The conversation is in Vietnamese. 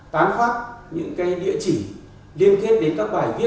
tán phát những địa chỉ liên kết đến các bài viết